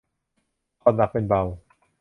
ผ่อนหนักเป็นเบา